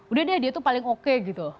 udah deh dia tuh paling oke gitu